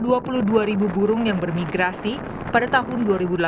ada dua puluh dua ribu burung yang bermigrasi pada tahun dua ribu delapan belas